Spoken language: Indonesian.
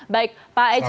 baik pak eci